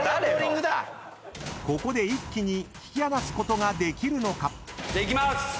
［ここで一気に引き離すことができるのか？］いきます。